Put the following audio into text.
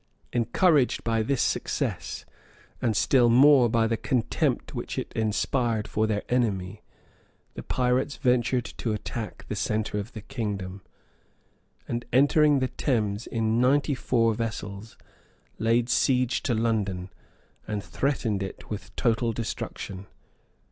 Encouraged by this success, and still more by the contempt which it inspired for their enemy, the pirates ventured to attack the centre of the kingdom; and entering the Thames in ninety four vessels, laid siege to London, and threatened it with total destruction.